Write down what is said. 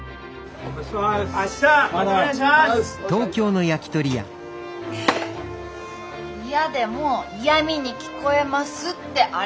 いやでも嫌みに聞こえますってあれは！